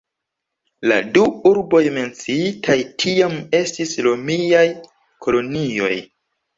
La du urboj menciitaj tiam estis romiaj kolonioj.